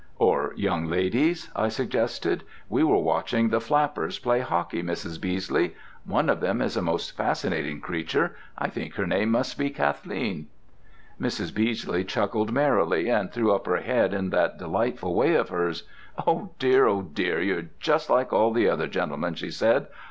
"Or young ladies?" I suggested. "We were watching the flappers play hockey, Mrs. Beesley. One of them is a most fascinating creature. I think her name must be Kathleen...." Mrs. Beesley chuckled merrily and threw up her head in that delightful way of hers. "Oh, dear, Oh, dear, you're just like all the other gentlemen," she said.